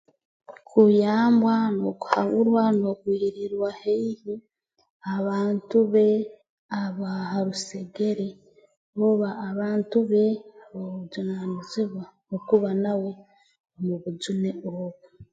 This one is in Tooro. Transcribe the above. Kuyambwa n'okuhaburwa n'okwiririrwa haihi abantu be aba harusegere oba abantu be ab'obujunaanizibwa okuba nawe mu bujune obu